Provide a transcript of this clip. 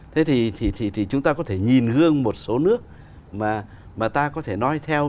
thế thì chúng ta có thể nhìn gương một số nước mà ta có thể nói theo